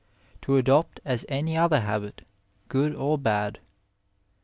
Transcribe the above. to adopt as any other habit, good or bad.